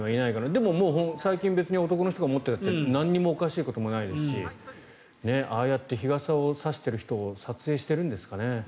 でも最近は男の人が持ってたって何もおかしいことないですしああやって日傘を差している人を撮影しているんですかね。